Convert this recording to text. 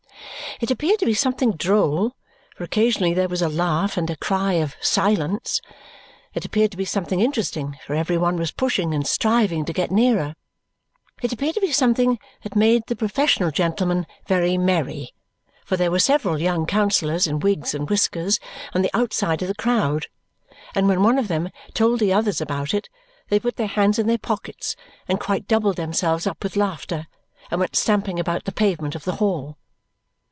It appeared to be something droll, for occasionally there was a laugh and a cry of "Silence!" It appeared to be something interesting, for every one was pushing and striving to get nearer. It appeared to be something that made the professional gentlemen very merry, for there were several young counsellors in wigs and whiskers on the outside of the crowd, and when one of them told the others about it, they put their hands in their pockets, and quite doubled themselves up with laughter, and went stamping about the pavement of the Hall.